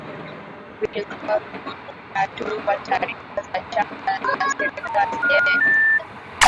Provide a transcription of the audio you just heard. vilikuwa vinatoa taarifa za chama na serikali yake tu